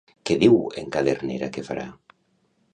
Què diu en Cadernera que farà?